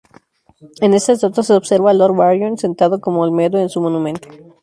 En esta estatua, se observa a Lord Byron sentado, como Olmedo en su monumento.